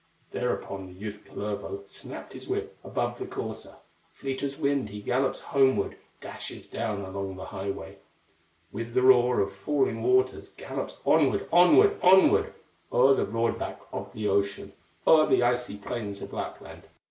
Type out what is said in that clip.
Thereupon the youth, Kullervo, Snapped his whip above the courser; Fleet as wind he gallops homeward, Dashes down along the highway; With the roar of falling waters, Gallops onward, onward, onward, O'er the broad back of the ocean, O'er the icy plains of Lapland.